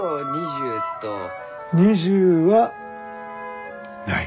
２０はない。